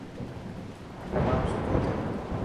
تمام سٺو ٿيو.